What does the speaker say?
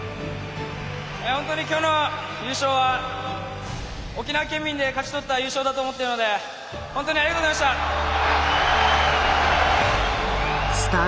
本当に今日の優勝は沖縄県民で勝ち取った優勝だと思っているので本当にありがとうございました！